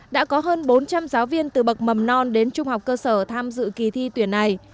đã có hơn bốn trăm linh giáo viên từ bậc mầm non đến trung học cơ sở tham dự kỳ thi tuyển này